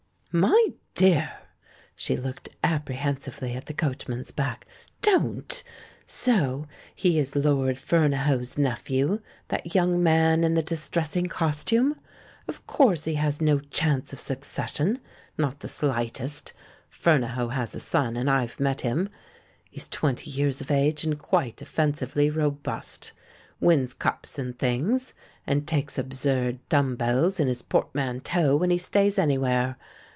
"My dear!" She looked apprehensively at the coachman's back. "Don't! ... So he is Lord Fernahoe's nephew, that young man in the dis tressing costume? Of course he has no chance of the succession, not the slightest. Fernahoe has a son, and I've met him. He's twenty years of age and quite offensively robust. Wins cups and things, and takes absurd dumb bells in his port manteau when he stays anywhere.